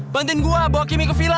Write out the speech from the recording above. bantuin gue bawa kimi ke villa